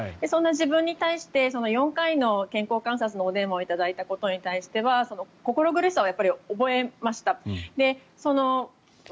そんな自分に対して４回の健康観察のお電話を頂いたことに対しては心苦しさを覚えました。